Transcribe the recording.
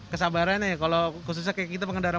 kesabarannya ya kalau khususnya kayak kita pengendara